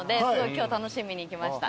今日楽しみに来ました。